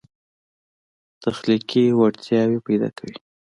تخلیقي وړتیاوې پیدا کوي.